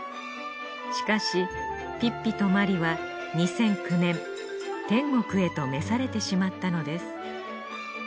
しかしピッピとマリは２００９年天国へと召されてしまったのです。